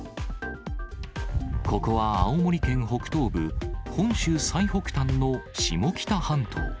ここは青森県北東部、本州最北端の下北半島。